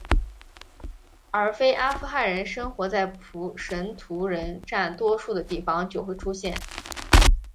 当非阿富汗人生活在普什图人占多数的地方就会出现。